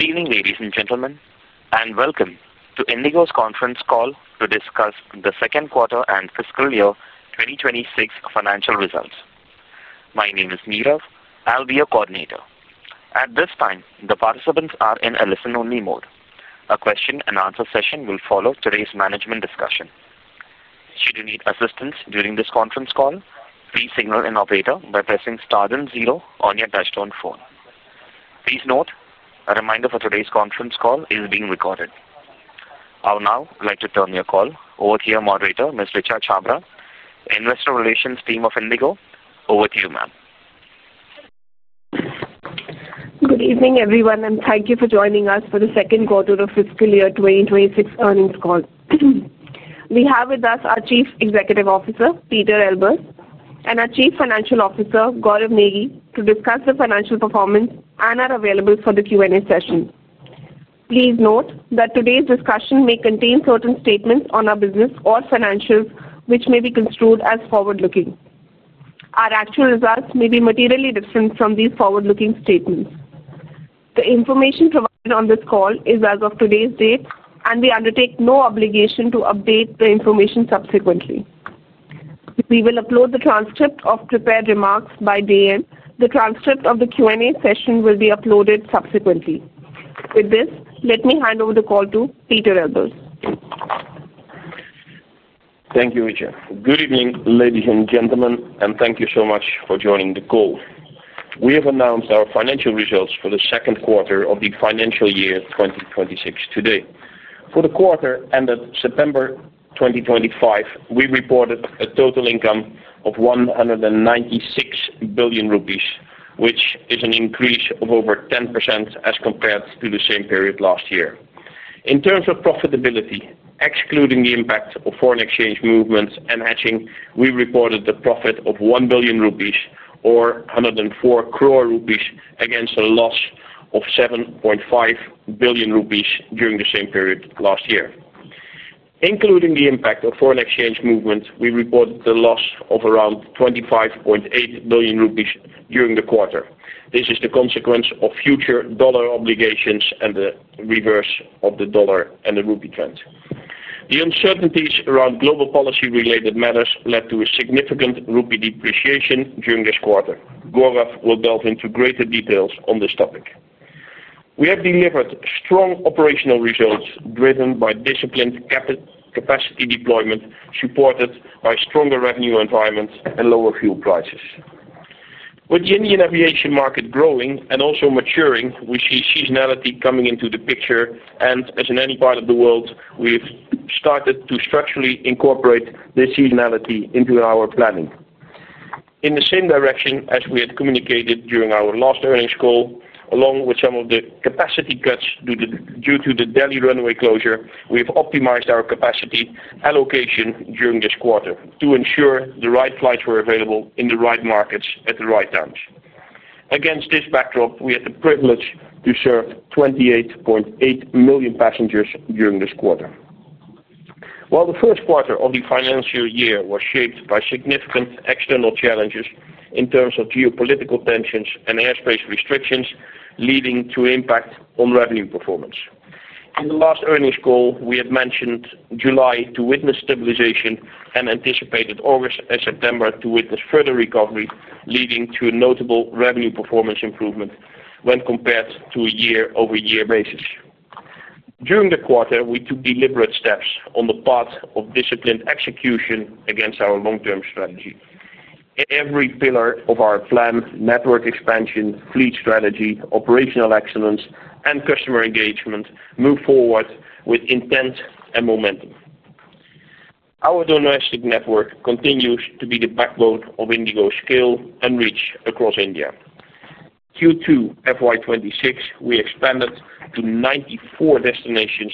Evening, ladies and gentlemen, and welcome to InterGlobe's conference call to discuss the second quarter and fiscal year 2026 financial results. My name is Meerav. I'll be your coordinator. At this time, the participants are in a listen-only mode. A question-and-answer session will follow today's management discussion. Should you need assistance during this conference call, please signal an operator by pressing star then zero on your touch-tone phone. Please note, a reminder for today's conference call is being recorded. I would now like to turn your call over to your moderator, Ms. Richa Chhabra, Investor Relations Team of InterGlobe. Over to you, ma'am. Good evening, everyone, and thank you for joining us for the second quarter of fiscal year 2026 earnings call. We have with us our Chief Executive Officer, Pieter Elbers, and our Chief Financial Officer, Gaurav Negi, to discuss the financial performance and are available for the Q&A session. Please note that today's discussion may contain certain statements on our business or financials, which may be construed as forward-looking. Our actual results may be materially different from these forward-looking statements. The information provided on this call is as of today's date, and we undertake no obligation to update the information subsequently. We will upload the transcript of prepared remarks by day end. The transcript of the Q&A session will be uploaded subsequently. With this, let me hand over the call to Pieter Elbers. Thank you, Richa. Good evening, ladies and gentlemen, and thank you so much for joining the call. We have announced our financial results for the second quarter of the financial year 2026 today. For the quarter ended September 2025, we reported a total income of 196 billion rupees, which is an increase of over 10% as compared to the same period last year. In terms of profitability, excluding the impact of foreign exchange movements and hedging, we reported a profit of 1 billion rupees, or 1.04 billion rupees, against a loss of 7.5 billion rupees during the same period last year. Including the impact of foreign exchange movements, we reported the loss of around 25.8 billion rupees during the quarter. This is the consequence of future dollar obligations and the reverse of the dollar and the rupee trend. The uncertainties around global policy-related matters led to a significant rupee depreciation during this quarter. Gaurav will delve into greater details on this topic. We have delivered strong operational results driven by disciplined capacity deployment supported by stronger revenue environments and lower fuel prices. With the Indian aviation market growing and also maturing, we see seasonality coming into the picture, and as in any part of the world, we have started to structurally incorporate this seasonality into our planning. In the same direction as we had communicated during our last earnings call, along with some of the capacity cuts due to the Delhi runway closure, we have optimized our capacity allocation during this quarter to ensure the right flights were available in the right markets at the right times. Against this backdrop, we had the privilege to serve 28.8 million passengers during this quarter. While the first quarter of the financial year was shaped by significant external challenges in terms of geopolitical tensions and airspace restrictions, leading to impact on revenue performance. In the last earnings call, we had mentioned July to witness stabilization and anticipated August and September to witness further recovery, leading to a notable revenue performance improvement when compared to a year-over-year basis. During the quarter, we took deliberate steps on the path of disciplined execution against our long-term strategy. Every pillar of our plan—network expansion, fleet strategy, operational excellence, and customer engagement—moved forward with intent and momentum. Our domestic network continues to be the backbone of InterGlobe's scale and reach across India. Q2 FY 2026, we expanded to 94 destinations,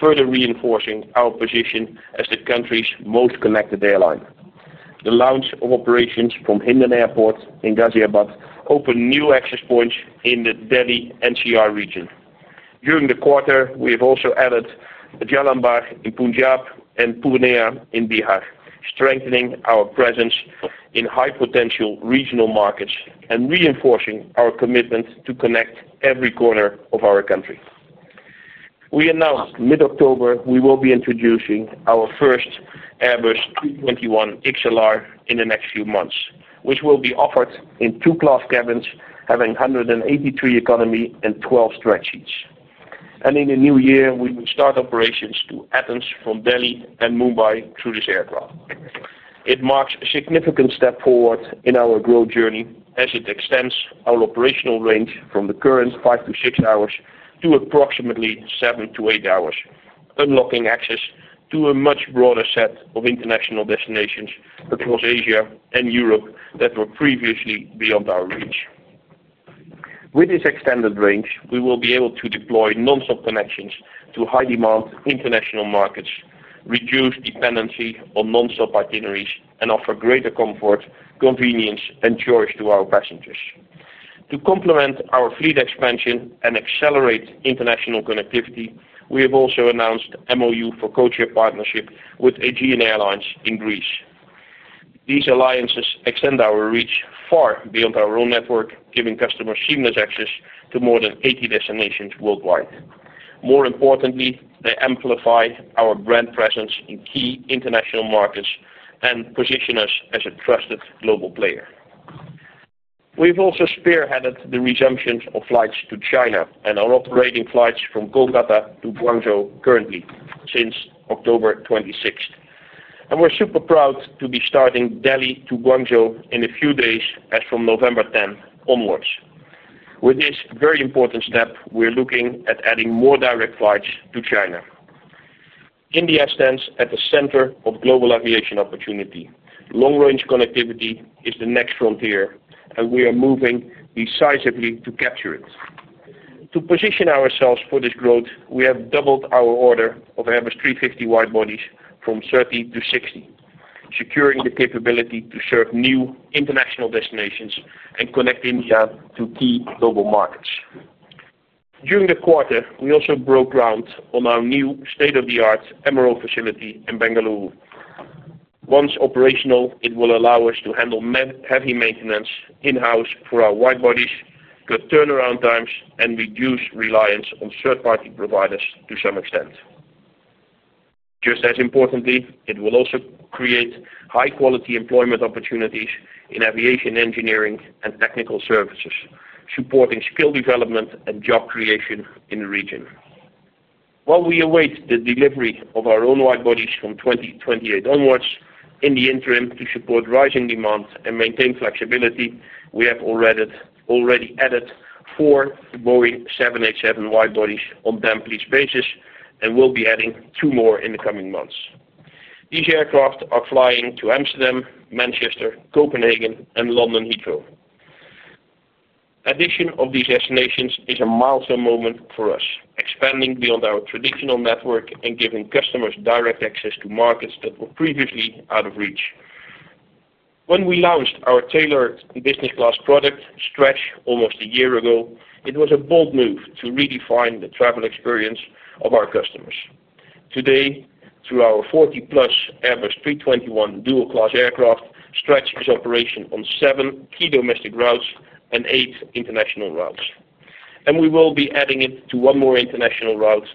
further reinforcing our position as the country's most connected airline. The launch of operations from Hindon Airport in Ghaziabad opened new access points in the Delhi NCR region. During the quarter, we have also added Jalandhar in Punjab and Purnea in Bihar, strengthening our presence in high-potential regional markets and reinforcing our commitment to connect every corner of our country. We announced mid-October we will be introducing our first Airbus A321XLR in the next few months, which will be offered in two-class cabins having 183 economy and 12 Stretch seats. In the new year, we will start operations to Athens from Delhi and Mumbai through this aircraft. It marks a significant step forward in our growth journey as it extends our operational range from the current 5-6 hours to approximately 7-8 hours, unlocking access to a much broader set of international destinations across Asia and Europe that were previously beyond our reach. With this extended range, we will be able to deploy nonstop connections to high-demand international markets, reduce dependency on nonstop itineraries, and offer greater comfort, convenience, and choice to our passengers. To complement our fleet expansion and accelerate international connectivity, we have also announced MOU for co-chair partnership with Aegean Airlines in Greece. These alliances extend our reach far beyond our own network, giving customers seamless access to more than 80 destinations worldwide. More importantly, they amplify our brand presence in key international markets and position us as a trusted global player. We have also spearheaded the resumption of flights to China and are operating flights from Kolkata to Guangzhou currently since October 26th. We are super proud to be starting Delhi to Guangzhou in a few days as from November 10th onwards. With this very important step, we are looking at adding more direct flights to China. India stands at the center of global aviation opportunity. Long-range connectivity is the next frontier, and we are moving decisively to capture it. To position ourselves for this growth, we have doubled our order of Airbus A350 widebodies from 30 to 60, securing the capability to serve new international destinations and connect India to key global markets. During the quarter, we also broke ground on our new state-of-the-art Emerald facility in Bengaluru. Once operational, it will allow us to handle heavy maintenance in-house for our widebodies, cut turnaround times, and reduce reliance on third-party providers to some extent. Just as importantly, it will also create high-quality employment opportunities in aviation engineering and technical services, supporting skill development and job creation in the region. While we await the delivery of our own widebodies from 2028 onwards, in the interim, to support rising demand and maintain flexibility, we have already added four Boeing 787 widebodies on a damp lease basis and will be adding two more in the coming months. These aircraft are flying to Amsterdam, Manchester, Copenhagen, and London Heathrow. Addition of these destinations is a milestone moment for us, expanding beyond our traditional network and giving customers direct access to markets that were previously out of reach. When we launched our tailored business-class product, Stretch, almost a year ago, it was a bold move to redefine the travel experience of our customers. Today, through our 40+ Airbus A321 dual-class aircraft, Stretch is operational on seven key domestic routes and eight international routes. We will be adding it to one more international route,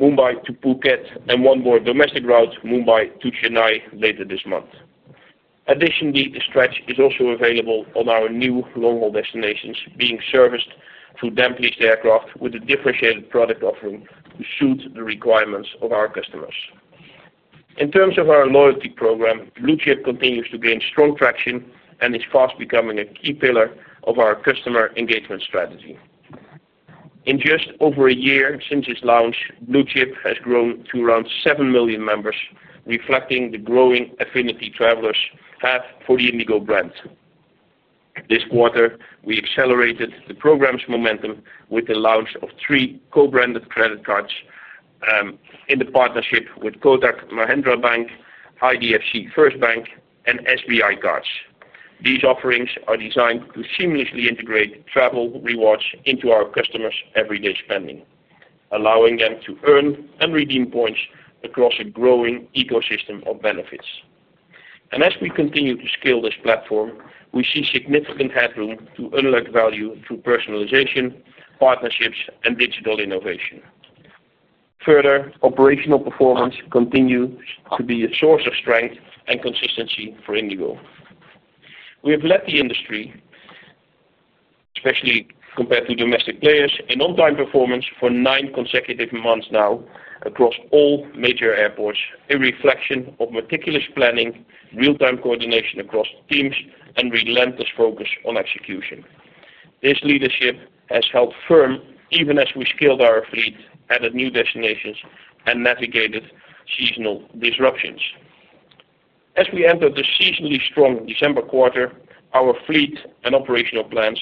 Mumbai to Phuket, and one more domestic route, Mumbai to Chennai, later this month. Additionally, the Stretch is also available on our new long-haul destinations, being serviced through damp lease aircraft with a differentiated product offering to suit the requirements of our customers. In terms of our loyalty program, Blue Chip continues to gain strong traction and is fast becoming a key pillar of our customer engagement strategy. In just over a year since its launch, Blue Chip has grown to around 7 million members, reflecting the growing affinity travelers have for the InterGlobe brand. This quarter, we accelerated the program's momentum with the launch of three co-branded credit cards in the partnership with Kotak Mahindra Bank, IDFC First Bank, and SBI Cards. These offerings are designed to seamlessly integrate travel rewards into our customers' everyday spending, allowing them to earn and redeem points across a growing ecosystem of benefits. As we continue to scale this platform, we see significant headroom to unlock value through personalization, partnerships, and digital innovation. Further, operational performance continues to be a source of strength and consistency for InterGlobe. We have led the industry, especially compared to domestic players, in on-time performance for nine consecutive months now across all major airports, a reflection of meticulous planning, real-time coordination across teams, and relentless focus on execution. This leadership has held firm even as we scaled our fleet, added new destinations, and navigated seasonal disruptions. As we enter the seasonally strong December quarter, our fleet and operational plans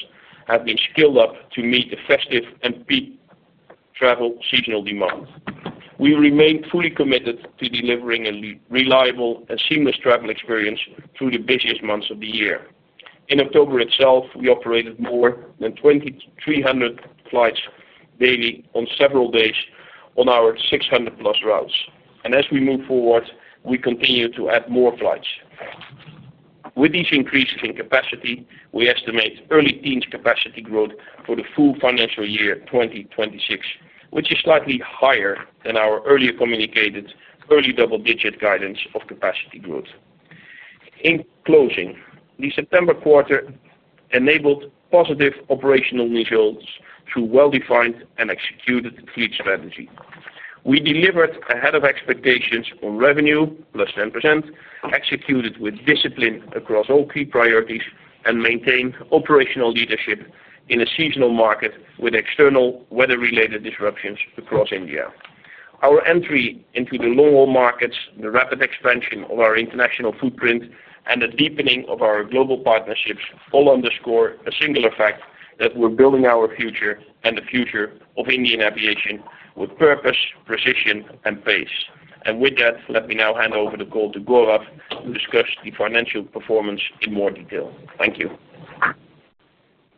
have been scaled up to meet the festive and peak travel seasonal demand. We remain fully committed to delivering a reliable and seamless travel experience through the busiest months of the year. In October itself, we operated more than 2,300 flights daily on several days on our 600+ routes. As we move forward, we continue to add more flights. With these increases in capacity, we estimate early teens capacity growth for the full financial year 2026, which is slightly higher than our earlier communicated early double-digit guidance of capacity growth. In closing, the September quarter enabled positive operational results through well-defined and executed fleet strategy. We delivered ahead of expectations on revenue, +10%, executed with discipline across all key priorities, and maintained operational leadership in a seasonal market with external weather-related disruptions across India. Our entry into the long-haul markets, the rapid expansion of our international footprint, and the deepening of our global partnerships all underscore a single fact that we're building our future and the future of Indian aviation with purpose, precision, and pace. With that, let me now hand over the call to Gaurav to discuss the financial performance in more detail. Thank you.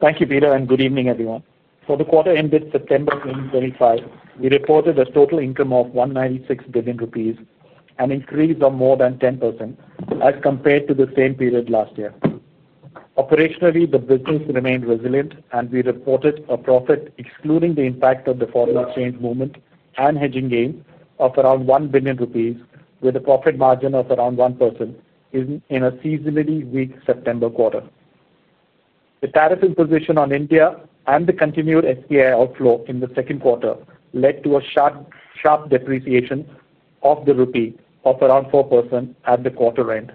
Thank you, Pieter, and good evening, everyone. For the quarter ended September 2025, we reported a total income of 196 billion rupees, an increase of more than 10% as compared to the same period last year. Operationally, the business remained resilient, and we reported a profit excluding the impact of the foreign exchange movement and hedging gain of around 1 billion rupees, with a profit margin of around 1% in a seasonally weak September quarter. The tariff imposition on India and the continued SBI outflow in the second quarter led to a sharp depreciation of the rupee of around 4% at the quarter end.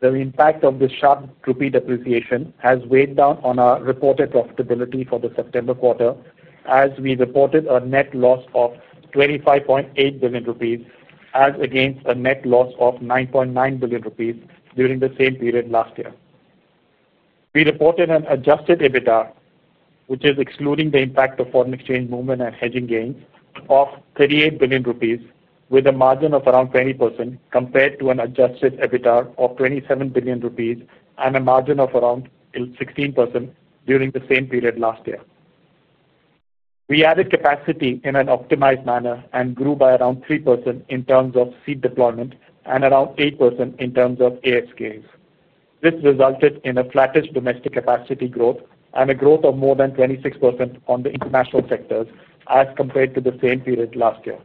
The impact of this sharp rupee depreciation has weighed down on our reported profitability for the September quarter, as we reported a net loss of 25.8 billion rupees against a net loss of 9.9 billion rupees during the same period last year. We reported an Adjusted EBITDA, which is excluding the impact of foreign exchange movement and hedging gains, of 38 billion rupees, with a margin of around 20% compared to an Adjusted EBITDA of 27 billion rupees and a margin of around 16% during the same period last year. We added capacity in an optimized manner and grew by around 3% in terms of seat deployment and around 8% in terms of ASKs. This resulted in a flattish domestic capacity growth and a growth of more than 26% on the international sectors as compared to the same period last year.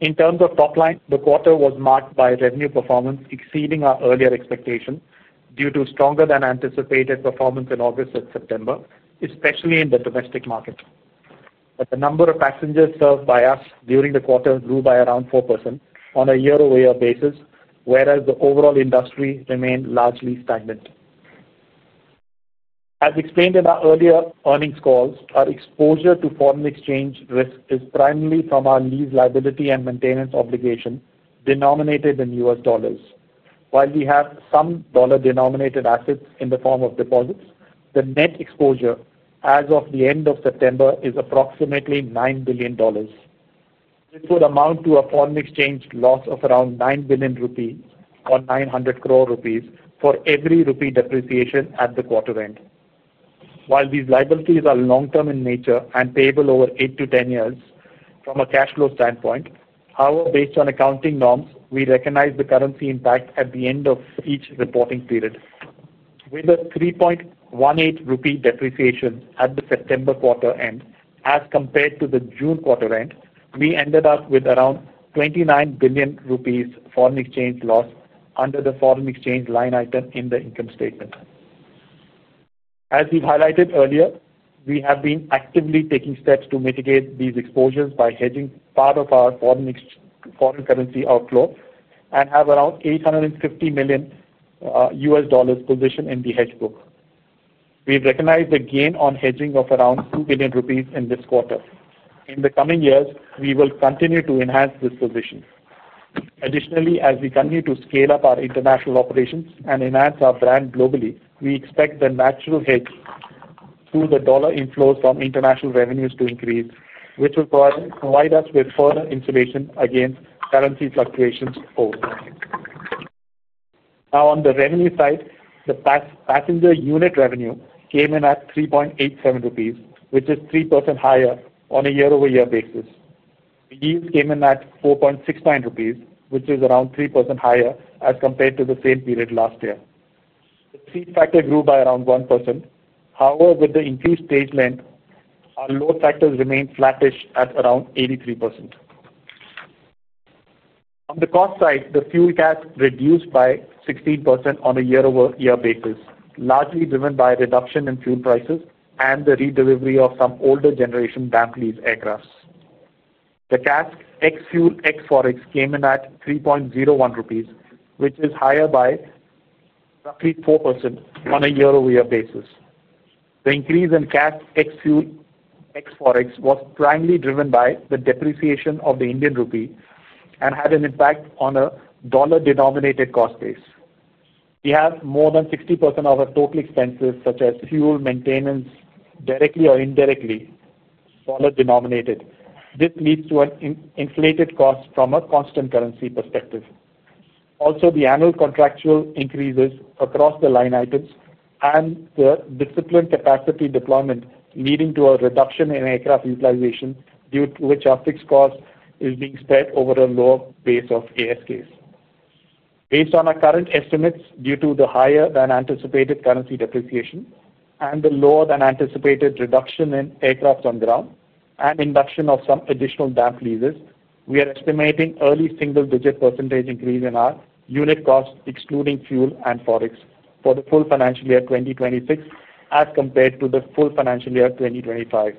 In terms of top line, the quarter was marked by revenue performance exceeding our earlier expectations due to stronger-than-anticipated performance in August and September, especially in the domestic market. The number of passengers served by us during the quarter grew by around 4% on a year-over-year basis, whereas the overall industry remained largely stagnant. As explained in our earlier earnings calls, our exposure to foreign exchange risk is primarily from our lease liability and maintenance obligation denominated in U.S. dollars. While we have some dollar-denominated assets in the form of deposits, the net exposure as of the end of September is approximately $9 billion. This would amount to a foreign exchange loss of around 9 billion rupees or 900 crore rupees for every rupee depreciation at the quarter end. While these liabilities are long-term in nature and payable over 8-10 years from a cash flow standpoint, however, based on accounting norms, we recognize the currency impact at the end of each reporting period. With a 3.18 rupee depreciation at the September quarter end as compared to the June quarter end, we ended up with around 29 billion rupees foreign exchange loss under the foreign exchange line item in the income statement. As we have highlighted earlier, we have been actively taking steps to mitigate these exposures by hedging part of our foreign currency outflow and have around $850 million positioned in the hedge book. We recognize the gain on hedging of around 2 billion rupees in this quarter. In the coming years, we will continue to enhance this position. Additionally, as we continue to scale up our international operations and enhance our brand globally, we expect the natural hedge through the dollar inflows from international revenues to increase, which will provide us with further insulation against currency fluctuations forward. Now, on the revenue side, the passenger unit revenue came in at 3.87 rupees, which is 3% higher on a year-over-year basis. These came in at 4.69 rupees, which is around 3% higher as compared to the same period last year. The seat factor grew by around 1%. However, with the increased stage length, our load factors remained flattish at around 83%. On the cost side, the fuel CASK reduced by 16% on a year-over-year basis, largely driven by a reduction in fuel prices and the redelivery of some older generation damp lease aircraft. The CASK ex-fuel ex-forex came in at 3.01 rupees, which is higher by roughly 4% on a year-over-year basis. The increase in CASK ex-fuel ex-forex was primarily driven by the depreciation of the Indian rupee and had an impact on a dollar-denominated cost base. We have more than 60% of our total expenses, such as fuel, maintenance, directly or indirectly dollar-denominated. This leads to an inflated cost from a constant currency perspective. Also, the annual contractual increases across the line items and the disciplined capacity deployment leading to a reduction in aircraft utilization, which our fixed cost is being spread over a lower base of ASKs. Based on our current estimates, due to the higher-than-anticipated currency depreciation and the lower-than-anticipated reduction in aircraft on ground and induction of some additional damp leases, we are estimating an early single-digit percentage increase in our unit cost, excluding fuel and foreign exchange, for the full financial year 2026 as compared to the full financial year 2025.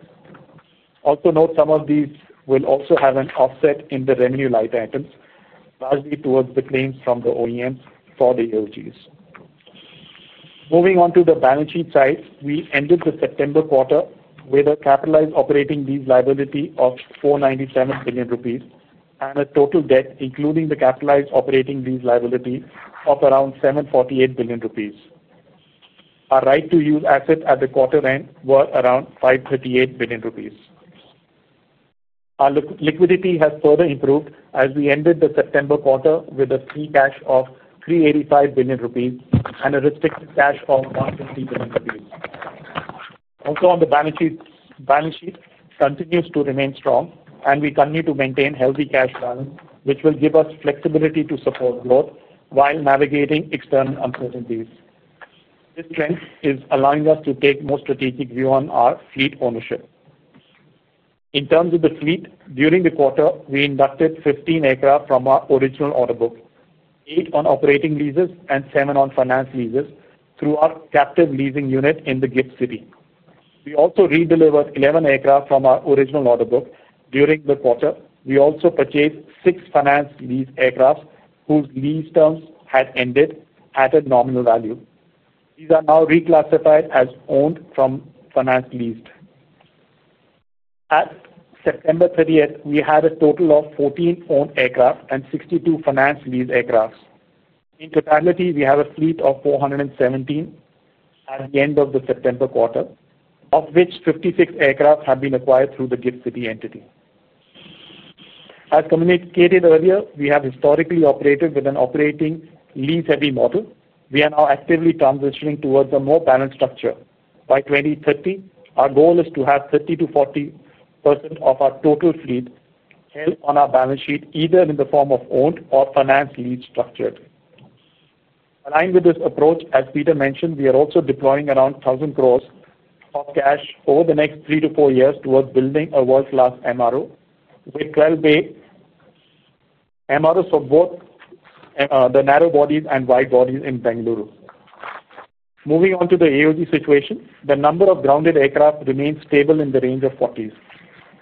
Also, note some of these will also have an offset in the revenue line items, largely towards the claims from the OEMs for the AOGs. Moving on to the balance sheet side, we ended the September quarter with a capitalized operating lease liability of 497 billion rupees and a total debt, including the capitalized operating lease liability, of around 748 billion rupees. Our right-of-use assets at the quarter-end were around 538 billion rupees. Our liquidity has further improved as we ended the September quarter with a free cash of 385 billion rupees and a restricted cash of 150 billion rupees. Also, on the balance sheet, continues to remain strong, and we continue to maintain a healthy cash balance, which will give us flexibility to support growth while navigating external uncertainties. This strength is allowing us to take a more strategic view on our fleet ownership. In terms of the fleet, during the quarter, we inducted 15 aircraft from our original order book, 8 on operating leases, and 7 on finance leases through our captive leasing unit in the GIFT City. We also redelivered 11 aircraft from our original order book during the quarter. We also purchased 6 finance leased aircraft whose lease terms had ended at a nominal value. These are now reclassified as owned from finance leased. As of September 30, we had a total of 14 owned aircraft and 62 finance leased aircraft. In totality, we have a fleet of 417 at the end of the September quarter, of which 56 aircraft have been acquired through the GIFT City entity. As communicated earlier, we have historically operated with an operating lease-heavy model. We are now actively transitioning towards a more balanced structure. By 2030, our goal is to have 30%-40% of our total fleet held on our balance sheet, either in the form of owned or finance leased structure. Aligned with this approach, as Pieter mentioned, we are also deploying 1,000 crore of cash over the next three to four years towards building a world-class MRO with 12 bays. MROs for both the narrow bodies and wide bodies in Bengaluru. Moving on to the AOG situation, the number of grounded aircraft remains stable in the range of 40s.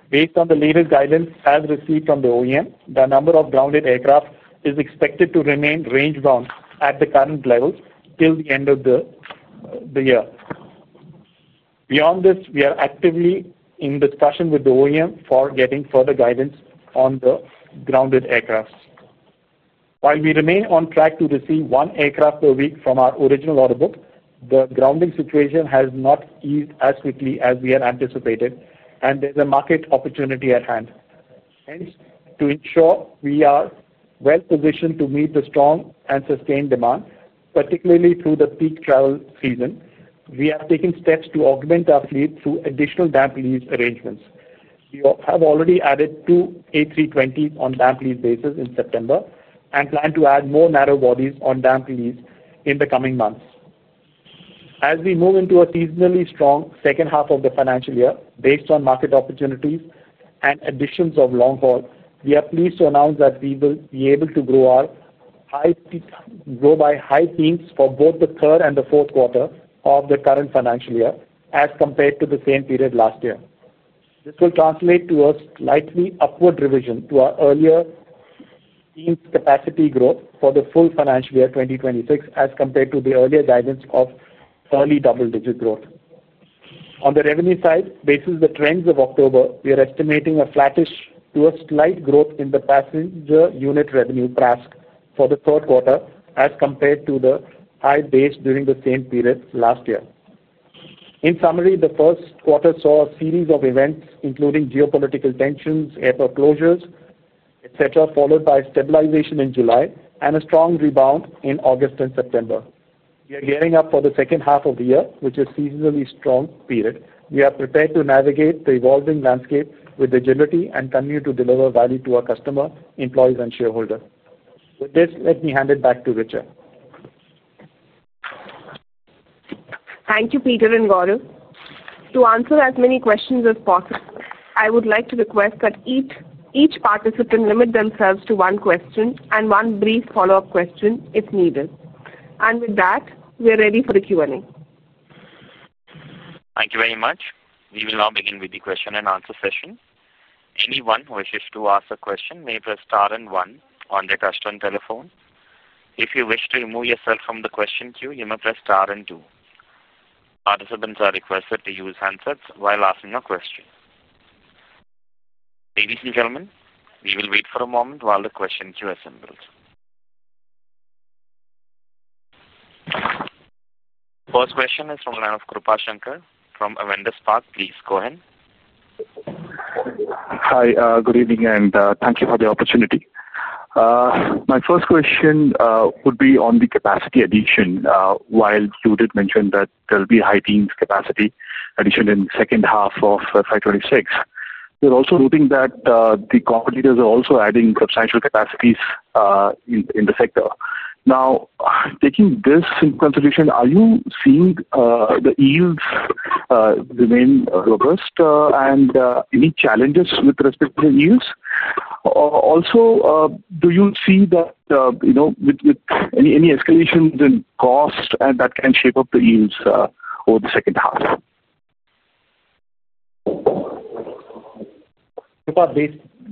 Based on the latest guidance as received from the OEM, the number of grounded aircraft is expected to remain range-bound at the current level till the end of the year. Beyond this, we are actively in discussion with the OEM for getting further guidance on the grounded aircraft. While we remain on track to receive one aircraft per week from our original order book, the grounding situation has not eased as quickly as we had anticipated, and there's a market opportunity at hand. Hence, to ensure we are well-positioned to meet the strong and sustained demand, particularly through the peak travel season, we have taken steps to augment our fleet through additional damp lease arrangements. We have already added two A320s on damp lease basis in September and plan to add more narrow bodies on damp lease in the coming months. As we move into a seasonally strong second half of the financial year, based on market opportunities and additions of long haul, we are pleased to announce that we will be able to grow our high teens for both the third and the fourth quarter of the current financial year as compared to the same period last year. This will translate to a slightly upward revision to our earlier teens capacity growth for the full financial year 2026 as compared to the earlier guidance of early double-digit growth. On the revenue side, based on the trends of October, we are estimating a flattish to a slight growth in the passenger unit revenue PrASKs for the third quarter as compared to the high base during the same period last year. In summary, the first quarter saw a series of events, including geopolitical tensions, airport closures, etc., followed by stabilization in July and a strong rebound in August and September. We are gearing up for the second half of the year, which is a seasonally strong period. We are prepared to navigate the evolving landscape with agility and continue to deliver value to our customers, employees, and shareholders. With this, let me hand it back to Richa. Thank you, Pieter and Gaurav. To answer as many questions as possible, I would like to request that each participant limit themselves to one question and one brief follow-up question if needed. With that, we are ready for the Q&A. Thank you very much. We will now begin with the question-and-answer session. Anyone who wishes to ask a question may press Star and One on their touchscreen telephone. If you wish to remove yourself from the question queue, you may press Star and Two. Participants are requested to use handsets while asking a question. Ladies and gentlemen, we will wait for a moment while the question queue assembles. First question is from the line of Krupashankar from Avendus Spark. Please go ahead. Hi, good evening, and thank you for the opportunity. My first question would be on the capacity addition. While you did mention that there will be high teens capacity addition in the second half of 2026, you're also noting that the competitors are also adding substantial capacities in the sector. Now, taking this into consideration, are you seeing the yields remain robust and any challenges with respect to yields? Also, do you see that with any escalations in cost and that can shape up the yields over the second half?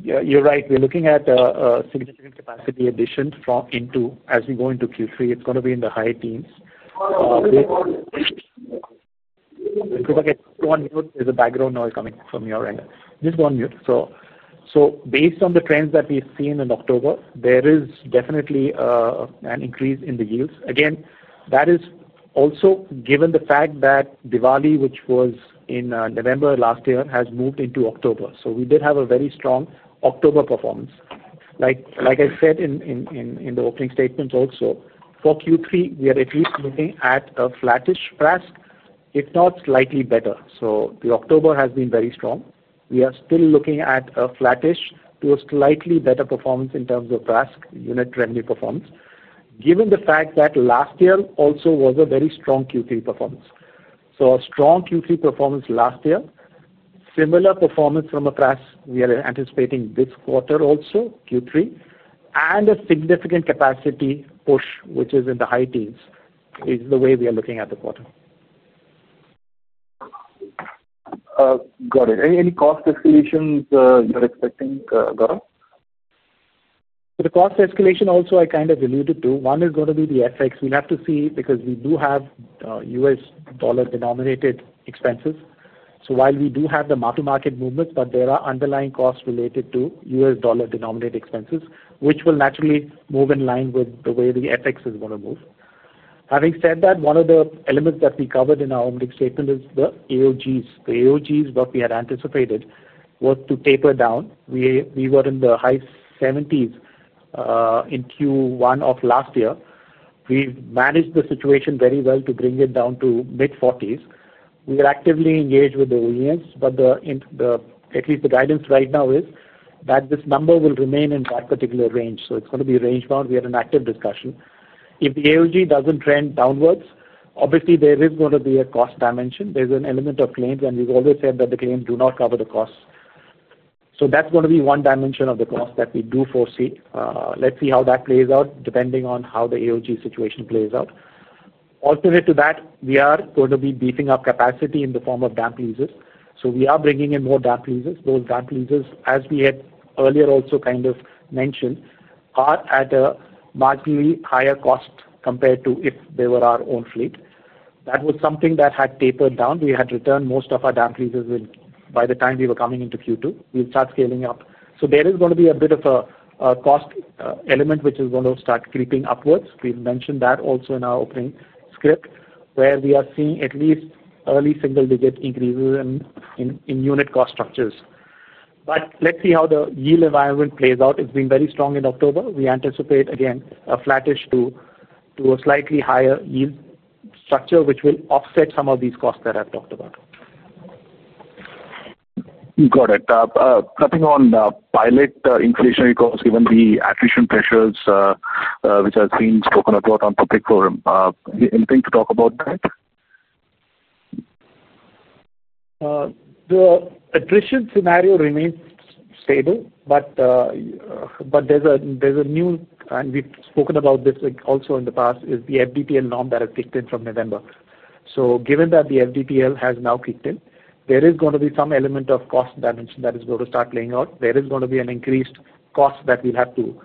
You're right. We're looking at a significant capacity addition into as we go into Q3. It's going to be in the high teens. Krupaka, just go on mute. There's a background noise coming from your end. Just go on mute. Based on the trends that we've seen in October, there is definitely an increase in the yields. Again, that is also given the fact that Diwali, which was in November last year, has moved into October. We did have a very strong October performance. Like I said in the opening statements also, for Q3, we are at least looking at a flattish prask, if not slightly better. October has been very strong. We are still looking at a flattish to a slightly better performance in terms of prask unit revenue performance, given the fact that last year also was a very strong Q3 performance. A strong Q3 performance last year, similar performance from a prask we are anticipating this quarter also, Q3, and a significant capacity push, which is in the high teens, is the way we are looking at the quarter. Got it. Any cost escalations you're expecting, Gaurav? The cost escalation also I kind of alluded to. One is going to be the FX. We'll have to see because we do have U.S. dollar-denominated expenses. So while we do have the to-market movements, there are underlying costs related to U.S. dollar-denominated expenses, which will naturally move in line with the way the FX is going to move. Having said that, one of the elements that we covered in our opening statement is the AOGs. The AOGs, what we had anticipated, was to taper down. We were in the high 70s in Q1 of last year. We've managed the situation very well to bring it down to mid-40s. We are actively engaged with the OEMs, but at least the guidance right now is that this number will remain in that particular range. So it's going to be range-bound. We had an active discussion. If the AOG doesn't trend downwards, obviously, there is going to be a cost dimension. There's an element of claims, and we've always said that the claims do not cover the costs. So that's going to be one dimension of the cost that we do foresee. Let's see how that plays out, depending on how the AOG situation plays out. Alternate to that, we are going to be beefing up capacity in the form of damp leases. So we are bringing in more damp leases. Those damp leases, as we had earlier also kind of mentioned, are at a markedly higher cost compared to if they were our own fleet. That was something that had tapered down. We had returned most of our damp leases by the time we were coming into Q2. We'll start scaling up. So there is going to be a bit of a cost element which is going to start creeping upwards. We've mentioned that also in our opening script, where we are seeing at least early single-digit increases in unit cost structures. But let's see how the yield environment plays out. It's been very strong in October. We anticipate, again, a flattish to a slightly higher yield structure, which will offset some of these costs that I've talked about. Got it. Capping on the pilot inflationary costs, given the attrition pressures. Which I've seen spoken about on public forum. Anything to talk about that? The attrition scenario remains stable, but there's a new, and we've spoken about this also in the past, is the FDTL norm that has kicked in from November. Given that the FDTL has now kicked in, there is going to be some element of cost dimension that is going to start playing out. There is going to be an increased cost that we'll have to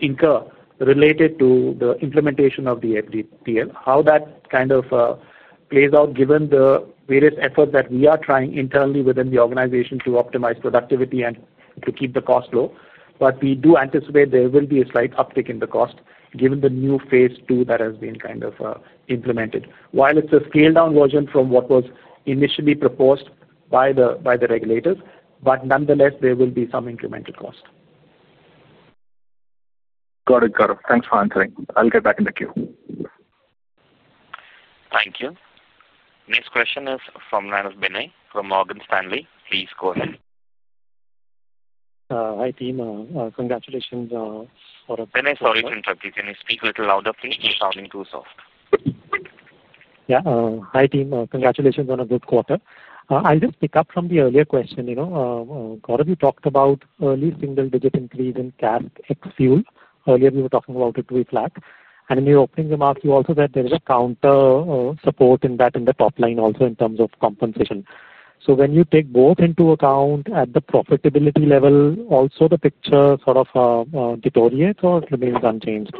incur related to the implementation of the FDTL. How that kind of plays out, given the various efforts that we are trying internally within the organization to optimize productivity and to keep the cost low, but we do anticipate there will be a slight uptick in the cost given the new phase two that has been kind of implemented. While it's a scaled-down version from what was initially proposed by the regulators, nonetheless, there will be some incremental cost. Got it, Gaurav. Thanks for answering. I'll get back in the queue. Thank you. Next question is from line of Bennett from Morgan Stanley. Please go ahead. Hi team. Congratulations on a— Bennett, sorry to interrupt you. Can you speak a little louder please? You're sounding too soft. Yeah. Hi team. Congratulations on a good quarter. I'll just pick up from the earlier question. Gaurav, you talked about early single-digit increase in CASK ex fuel. Earlier, we were talking about it to be flat. In your opening remarks, you also said there is a counter support in that in the top line also in terms of compensation. When you take both into account at the profitability level, also the picture sort of deteriorates or remains unchanged?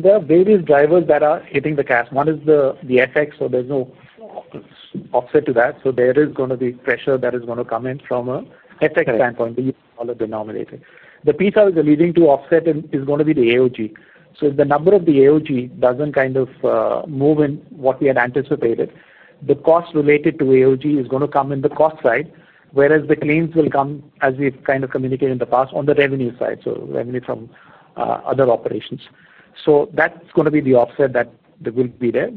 There are various drivers that are hitting the CASK. One is the FX, so there's no offset to that. There is going to be pressure that is going to come in from an FX standpoint, the U.S. dollar-denominated. The piece I was alluding to offset is going to be the AOG. If the number of the AOG doesn't kind of move in what we had anticipated, the cost related to AOG is going to come in the cost side, whereas the claims will come, as we've kind of communicated in the past, on the revenue side, so revenue from other operations. That's going to be the offset that will be there.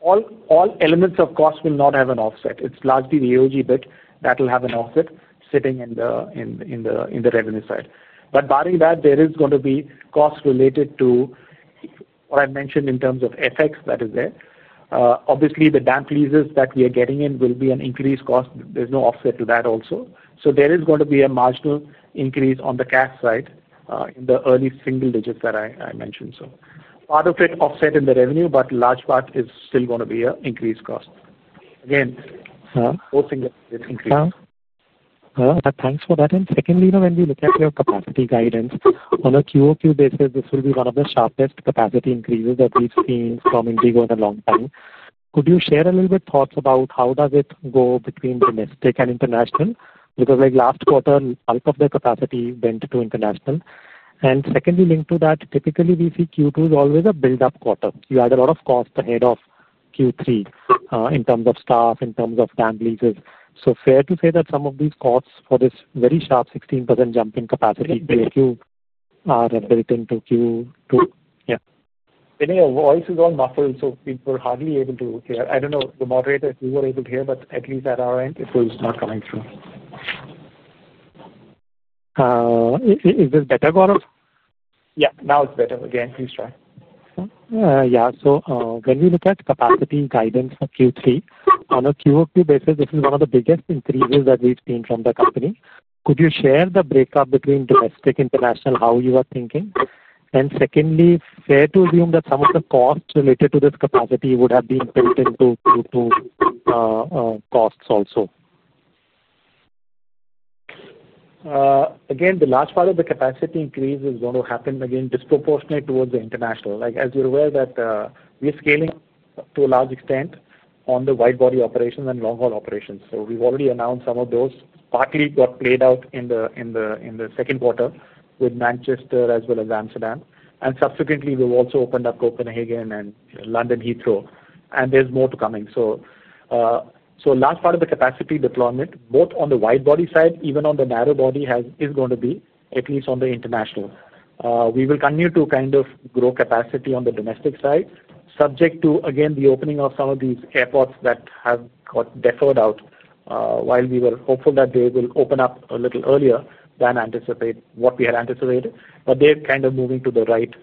All elements of cost will not have an offset. It's largely the AOG bit that will have an offset sitting in the revenue side. Barring that, there is going to be cost related to what I mentioned in terms of FX that is there. Obviously, the damp leases that we are getting in will be an increased cost. There's no offset to that also. There is going to be a marginal increase on the CASK side in the early single digits that I mentioned. Part of it offsets in the revenue, but a large part is still going to be an increased cost. Again, both single digit increases. Thanks for that. Secondly, when we look at your capacity guidance, on a QOQ basis, this will be one of the sharpest capacity increases that we've seen from InterGlobe in a long time. Could you share a little bit thoughts about how does it go between domestic and international? Last quarter, bulk of the capacity went to international. Secondly, linked to that, typically, we see Q2 is always a build-up quarter. You add a lot of cost ahead of Q3 in terms of staff, in terms of damp leases. Fair to say that some of these costs for this very sharp 16% jump in capacity Q. Thank you. Are built into Q2. Yeah. Bennett, your voice is muffled, so people are hardly able to hear. I do not know. The moderator, you were able to hear, but at least at our end, it was not coming through. Is this better, Gaurav? Yeah. Now it's better. Again, please try. Yeah. So when we look at capacity guidance for Q3, on a QOQ basis, this is one of the biggest increases that we've seen from the company. Could you share the breakup between domestic, international, how you are thinking? Secondly, fair to assume that some of the costs related to this capacity would have been built into Q2 costs also. Again, the large part of the capacity increase is going to happen, again, disproportionate towards the international. As you're aware that we're scaling to a large extent on the wide-body operations and long-haul operations. We've already announced some of those. Partly got played out in the second quarter with Manchester as well as Amsterdam. Subsequently, we've also opened up Copenhagen and London Heathrow. There's more to coming. Last part of the capacity deployment, both on the wide-body side, even on the narrow-body, is going to be at least on the international. We will continue to kind of grow capacity on the domestic side, subject to, again, the opening of some of these airports that have got deferred out. While we were hopeful that they will open up a little earlier than what we had anticipated, they're kind of moving to the right.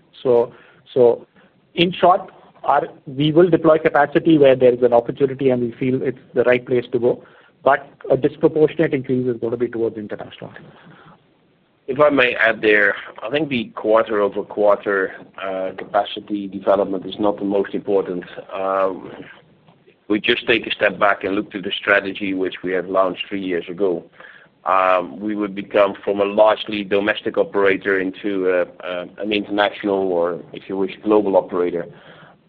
In short, we will deploy capacity where there is an opportunity, and we feel it's the right place to go. A disproportionate increase is going to be towards international. If I may add there, I think the quarter-over-quarter capacity development is not the most important. If we just take a step back and look to the strategy which we have launched three years ago. We would become from a largely domestic operator into an international, or if you wish, global operator.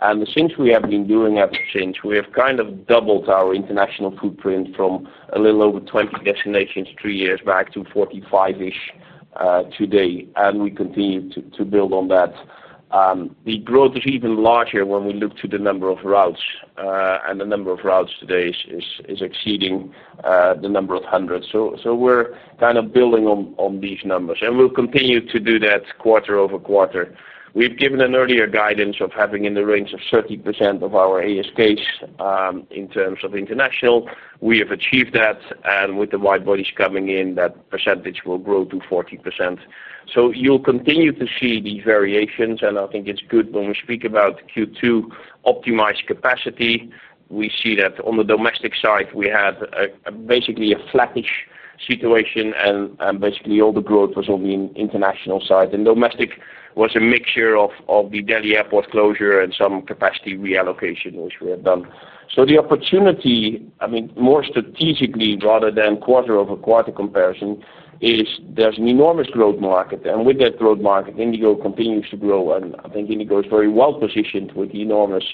And since we have been doing that since, we have kind of doubled our international footprint from a little over 20 destinations three years back to 45-ish today. We continue to build on that. The growth is even larger when we look to the number of routes. The number of routes today is exceeding the number of hundreds. We are kind of building on these numbers. We will continue to do that quarter-over-quarter. we have given an earlier guidance of having in the range of 30% of our ASKs in terms of international. We have achieved that. With the wide bodies coming in, that percentage will grow to 40%. You will continue to see these variations. I think it is good when we speak about Q2 optimized capacity. We see that on the domestic side, we had basically a flattish situation, and basically all the growth was on the international side. Domestic was a mixture of the Delhi airport closure and some capacity reallocation, which we have done. The opportunity, I mean, more strategically rather than quarter-over-quarter comparison, is there is an enormous growth market. With that growth market, InterGlobe continues to grow. I think InterGlobe is very well positioned with the enormous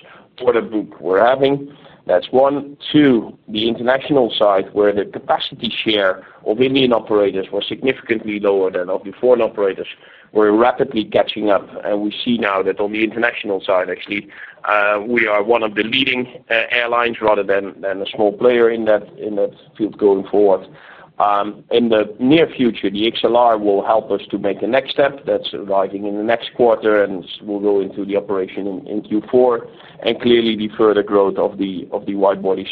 order book we are having. That is one. Two, the international side, where the capacity share of Indian operators was significantly lower than of the foreign operators, we are rapidly catching up. We see now that on the international side, actually, we are one of the leading airlines rather than a small player in that field going forward. In the near future, the XLR will help us to make a next step. That is arriving in the next quarter. We will go into the operation in Q4 and clearly the further growth of the wide body.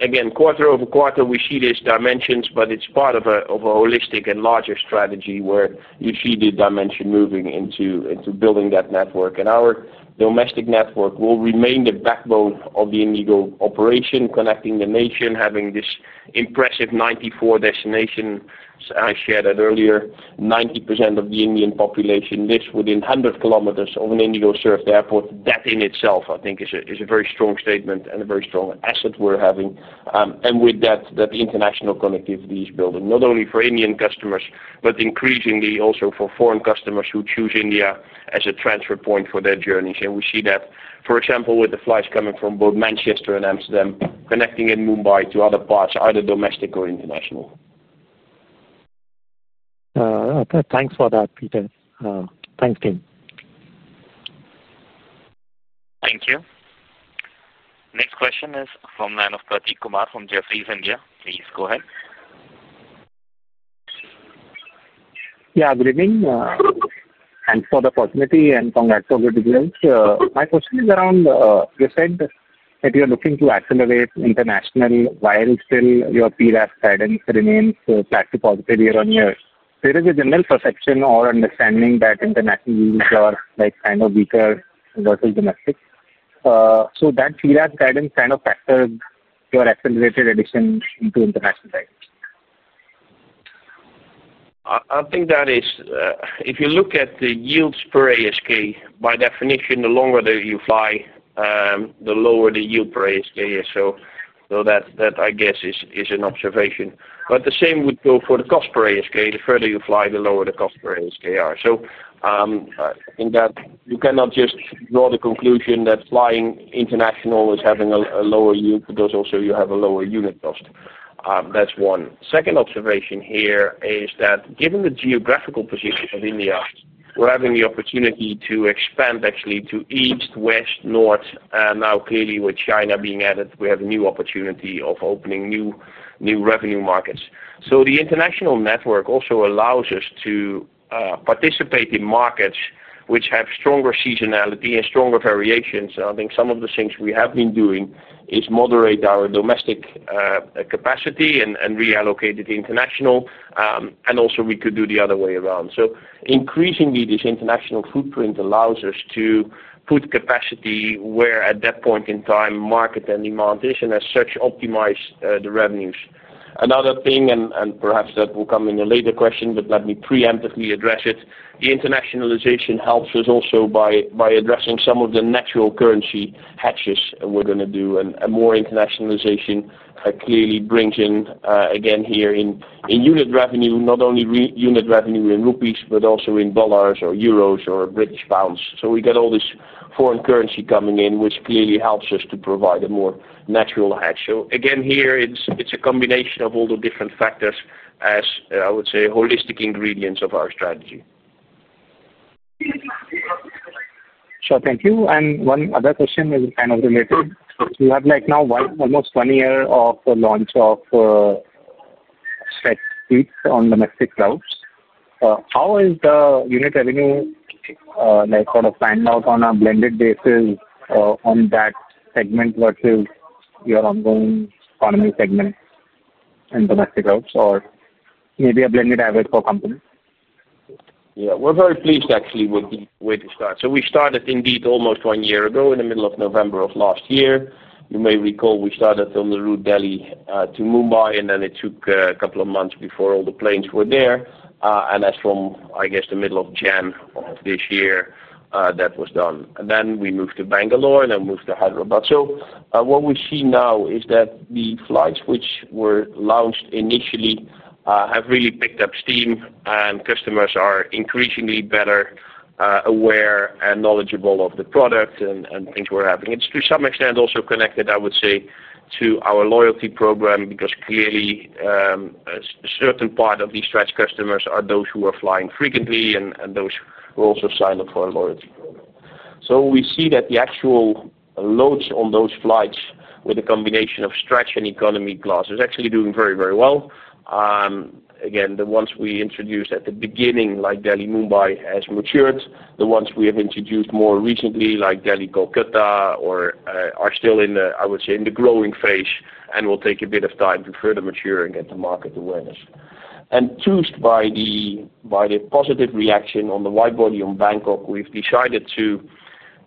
Again, quarter-over-quarter, we see these dimensions, but it is part of a holistic and larger strategy where you see the dimension moving into building that network. Our domestic network will remain the backbone of the InterGlobe operation, connecting the nation, having this impressive 94 destinations. I shared earlier, 90% of the Indian population lives within 100 km of an InterGlobe served airport. That in itself, I think, is a very strong statement and a very strong asset we are having. With that, that international connectivity is building, not only for Indian customers, but increasingly also for foreign customers who choose India as a transfer point for their journeys. We see that, for example, with the flights coming from both Manchester and Amsterdam, connecting in Mumbai to other parts, either domestic or international. Thanks for that, Pieter. Thanks, team. Thank you. Next question is from line of Prateek Kumar from Jefferies India. Please go ahead. Yeah. Good evening. Thanks for the opportunity and congrats for good results. My question is around, you said that you're looking to accelerate international while still your PrASK guidance remains flat to positive year on year. There is a general perception or understanding that international yields are kind of weaker versus domestic. So that PrASK guidance kind of factors your accelerated addition into international guidance? I think that is, if you look at the yield spread ASK, by definition, the longer that you fly, the lower the yield per ASK is. That, I guess, is an observation. The same would go for the cost per ASK. The further you fly, the lower the cost per ASK is. I think that you cannot just draw the conclusion that flying international is having a lower yield because also you have a lower unit cost. That's one. Second observation here is that given the geographical position of India, we're having the opportunity to expand actually to east, west, north. Now clearly, with China being added, we have a new opportunity of opening new revenue markets. The international network also allows us to participate in markets which have stronger seasonality and stronger variations. I think some of the things we have been doing is moderate our domestic capacity and reallocate it to international. Also, we could do the other way around. Increasingly, this international footprint allows us to put capacity where at that point in time, market and demand is, and as such, optimize the revenues. Another thing, and perhaps that will come in a later question, but let me preemptively address it. The internationalization helps us also by addressing some of the natural currency hedges we're going to do. More internationalization clearly brings in, again, here in unit revenue, not only unit revenue in rupees, but also in dollars or euros or British pounds. We get all this foreign currency coming in, which clearly helps us to provide a more natural hedge. Again, here, it's a combination of all the different factors as, I would say, holistic ingredients of our strategy. Thank you. One other question is kind of related. You have now almost one year of launch of FlexSpeed on domestic routes. How is the unit revenue sort of planned out on a blended basis on that segment versus your ongoing economy segment and domestic routes? Or maybe a blended average for companies? Yeah. We're very pleased, actually, with the way to start. We started indeed almost one year ago in the middle of November of last year. You may recall we started from the route Delhi to Mumbai, and then it took a couple of months before all the planes were there. That's from, I guess, the middle of January of this year that was done. Then we moved to Bengaluru and then moved to Hyderabad. What we see now is that the flights which were launched initially have really picked up steam, and customers are increasingly better aware and knowledgeable of the product and things we're having. It's to some extent also connected, I would say, to our loyalty program because clearly, a certain part of these Stretch customers are those who are flying frequently and those who also sign up for a loyalty program. We see that the actual loads on those flights with a combination of Stretch and economy class is actually doing very, very well. Again, the ones we introduced at the beginning, like Delhi-Mumbai, have matured. The ones we have introduced more recently, like Delhi-Kolkata, are still in the, I would say, in the growing phase and will take a bit of time to further mature and get the market awareness. Twisted by the positive reaction on the wide body on Bangkok, we've decided to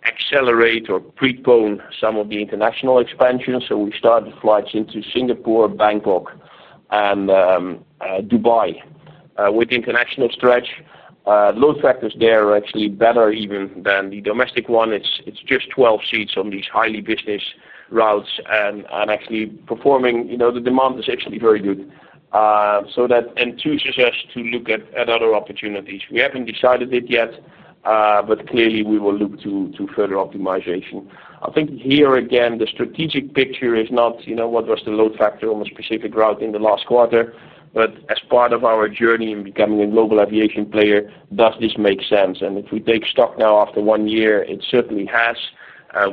accelerate or prepone some of the international expansion. We started flights into Singapore, Bangkok, and Dubai. With international Stretch, load factors there are actually better even than the domestic one. It's just 12 seats on these highly business routes. Actually, performing, the demand is actually very good. That entices us to look at other opportunities. We haven't decided it yet, but clearly, we will look to further optimization. I think here, again, the strategic picture is not what was the load factor on a specific route in the last quarter, but as part of our journey in becoming a global aviation player, does this make sense? If we take stock now after one year, it certainly has.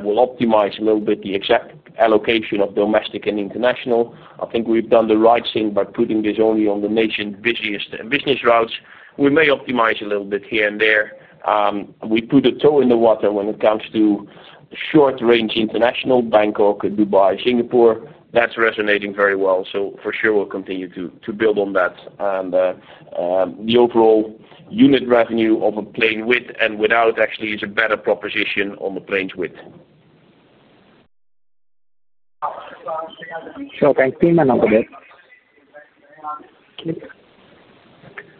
We'll optimize a little bit the exact allocation of domestic and international. I think we've done the right thing by putting this only on the nation's busiest and business routes. We may optimize a little bit here and there. We put a toe in the water when it comes to short-range international, Bangkok, Dubai, Singapore. That's resonating very well. For sure, we'll continue to build on that. The overall unit revenue of a plane with and without actually is a better proposition on the planes with. Thank team and not the board.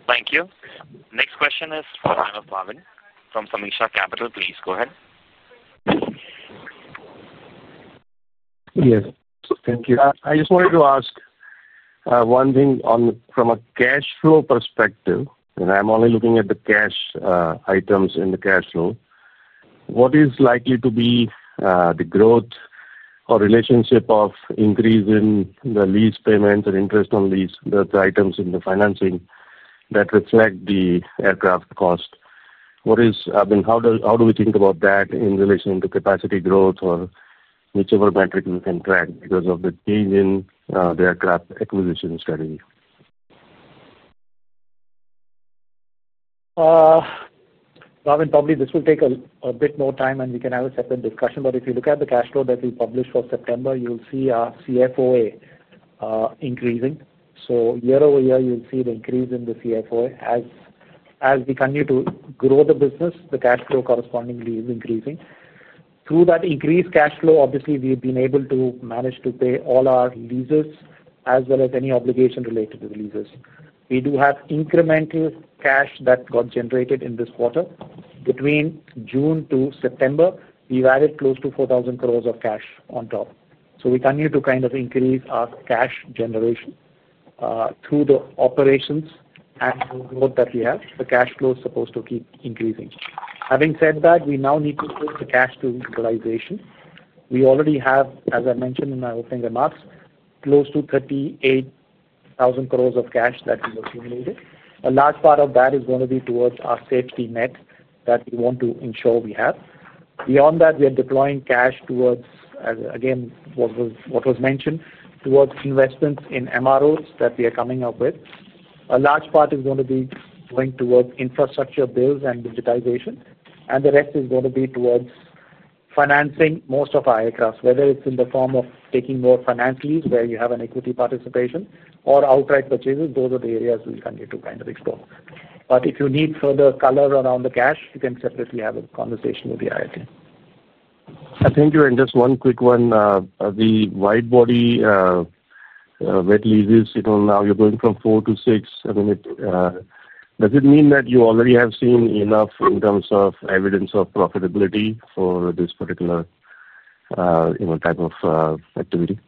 Thank you. Next question is from line of Bhavin from Sameeksha Capital. Please go ahead. Yes. Thank you. I just wanted to ask. One thing from a cash flow perspective, and I'm only looking at the cash items in the cash flow. What is likely to be the growth or relationship of increase in the lease payments and interest on lease, the items in the financing that reflect the aircraft cost? I mean, how do we think about that in relation to capacity growth or whichever metric we can track because of the change in the aircraft acquisition strategy? Bhavin, probably this will take a bit more time and we can have a separate discussion. If you look at the cash flow that we published for September, you'll see our CFOA increasing. year-over-year, you'll see the increase in the CFOA. As we continue to grow the business, the cash flow correspondingly is increasing. Through that increased cash flow, obviously, we've been able to manage to pay all our leases as well as any obligation related to the leases. We do have incremental cash that got generated in this quarter. Between June to September, we've added close to 4,000 crore of cash on top. We continue to kind of increase our cash generation through the operations and the growth that we have. The cash flow is supposed to keep increasing. Having said that, we now need to put the cash to utilization. We already have, as I mentioned in my opening remarks, close to 38,000 crore of cash that we've accumulated. A large part of that is going to be towards our safety net that we want to ensure we have. Beyond that, we are deploying cash towards, again, what was mentioned, towards investments in MROs that we are coming up with. A large part is going to be going towards infrastructure builds and digitization. The rest is going to be towards financing most of our aircraft, whether it's in the form of taking more finance leases where you have an equity participation or outright purchases. Those are the areas we'll continue to kind of explore. If you need further color around the cash, you can separately have a conversation with the IIT. I think just one quick one. The wide body. Wet leases, now you're going from four to six. I mean, does it mean that you already have seen enough in terms of evidence of profitability for this particular type of activity?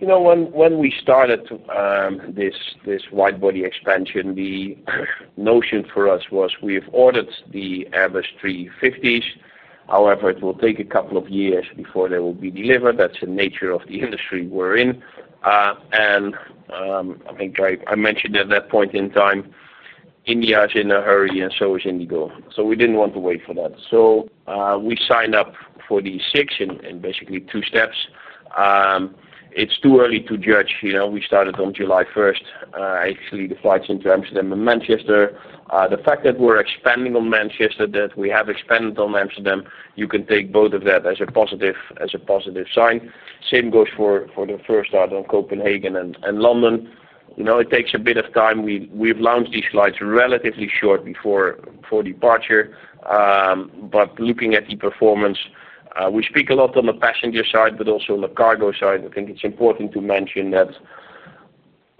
When we started this wide body expansion, the notion for us was we've ordered the Airbus A350s. However, it will take a couple of years before they will be delivered. That's the nature of the industry we're in. I think I mentioned at that point in time, India is in a hurry and so is InterGlobe. We didn't want to wait for that. We signed up for the six in basically two steps. It's too early to judge. We started on July 1, actually, the flights into Amsterdam and Manchester. The fact that we're expanding on Manchester, that we have expanded on Amsterdam, you can take both of that as a positive sign. Same goes for the first start on Copenhagen and London. It takes a bit of time. We've launched these flights relatively short before departure. Looking at the performance, we speak a lot on the passenger side, but also on the cargo side. I think it's important to mention that.